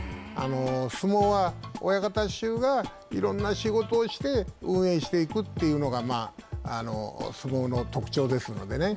相撲は、親方衆がいろんな仕事をして運営していくというのが相撲の特徴ですのでね。